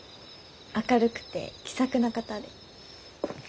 明るくて気さくな方で。